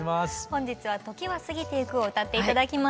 本日は「時は過ぎてゆく」を歌って頂きます。